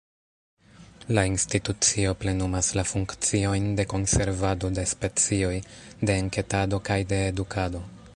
La institucio plenumas la funkciojn de konservado de specioj, de enketado kaj de edukado.